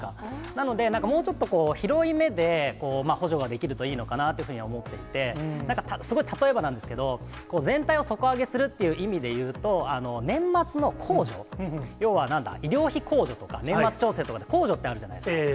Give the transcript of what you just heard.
なので、もうちょっと広い目で補助ができるといいのかなというふうに思っていて、なんかすごい例えばなんですけど、全体を底上げするっていう意味でいうと、年末の控除、要はなんだ、医療費控除とか年末調整とかって、控除ってあるじゃないですか。